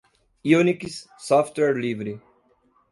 unix, software livre